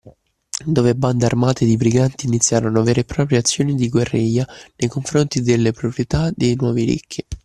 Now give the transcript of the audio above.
Dove bande armate di briganti iniziarono vere e proprie azioni di guerriglia nei confronti delle proprietà dei nuovi ricchi.